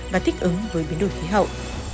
và thích ứng với biến đổi khí hậu